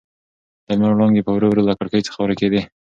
د لمر وړانګې په ورو ورو له کړکۍ څخه ورکېدې.